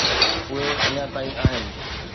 اهي اڃا تائين آهن.